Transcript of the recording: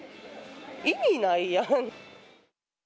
意味ないやん。